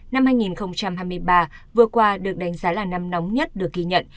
năm hai nghìn hai mươi ba vừa qua được đánh giá là năm nóng nhất được ghi nhận